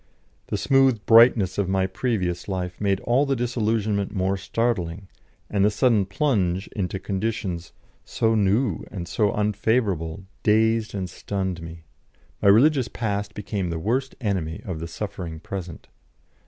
The smooth brightness of my previous life made all the disillusionment more startling, and the sudden plunge into conditions so new and so unfavourable dazed and stunned me. My religious past became the worst enemy of the suffering present.